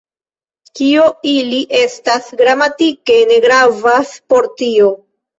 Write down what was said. Kio ili estas gramatike, ne gravas por tio.